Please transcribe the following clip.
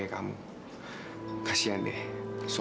jangan b psic deras jad